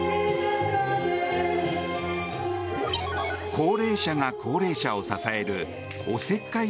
高齢者が高齢者を支えるおせっかい